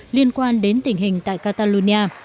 liên quan đến tình hình tại catalonia